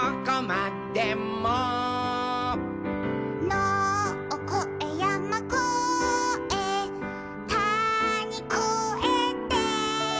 「のをこえやまこえたにこえて」